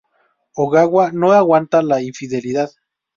Ogawa no aguanta la infidelidad.